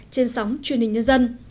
trên sóng truyền hình nhân dân